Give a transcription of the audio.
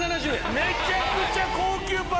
めちゃくちゃ高級パック！